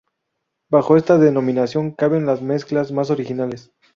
Bajo esta denominación caben las mezclas más originales.